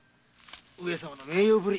上様の名優ぶり。